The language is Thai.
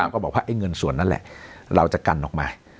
ก็บอกว่าเงินส่วนนั่นแหละเราจะกันออกมา